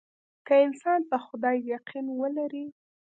که انسان په خدای يقين ولري.